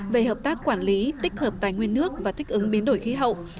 về hợp tác quản lý tích hợp tài nguyên nước và thích ứng biến đổi khí hậu